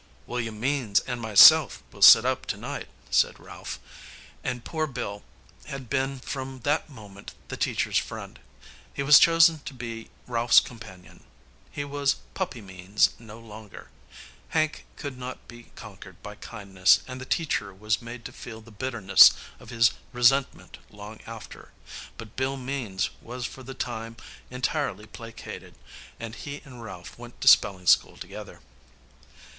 "William Means and myself will sit up to night," said Ralph. And poor Bill had been from that moment the teacher's friend. He was chosen to be Ralph's companion. He was Puppy Means no longer! Hank could not be conquered by kindness, and the teacher was made to feel the bitterness of his resentment long after. But Bill Means was for the time entirely placated, and he and Ralph went to spelling school together.